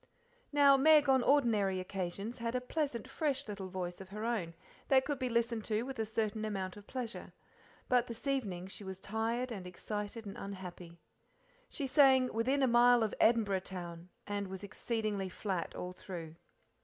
Now Meg on ordinary occasions had a pleasant, fresh little voice of her own, that could be listened to with a certain amount of pleasure, but this evening she was tired and excited and unhappy. She sang "Within a mile of Edinboro' town," and was exceedingly flat all through.